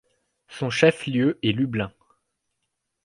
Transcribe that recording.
Son chef-lieu est Lublin.